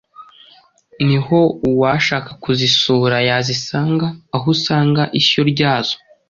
niho uwashaka kuzisura yazisanga aho usanga ishyo ryazo.